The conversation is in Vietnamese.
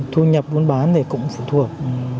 thu nhập buôn bán thì cũng phụ thuộc